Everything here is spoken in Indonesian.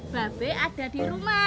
babe ada di rumah